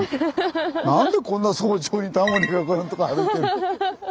なんでこんな早朝にタモリがこんなとこ歩いてる。